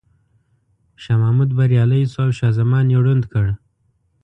شاه محمود بریالی شو او شاه زمان یې ړوند کړ.